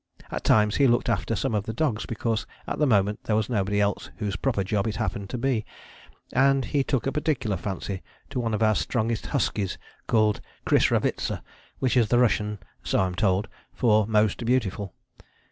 At times he looked after some of the dogs because at the moment there was nobody else whose proper job it happened to be, and he took a particular fancy to one of our strongest huskies called Krisravitza, which is the Russian (so I'm told) for 'most beautiful.'